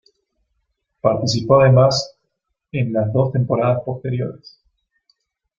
Participó además en las dos temporadas posteriores.